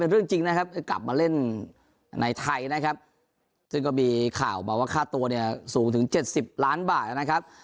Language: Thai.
เรื่องจริงนะครับกลับมาเล่นในไทยนะครับซึ่งก็มีข่าวมาว่าค่าตัวเนี่ยสูงถึง๗๐ล้านบาทนะครับ